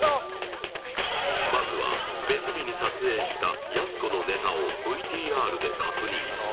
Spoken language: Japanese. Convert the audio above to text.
まずは別日に撮影したやす子のネタをＶＴＲで確認